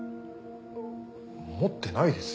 持ってないですよ。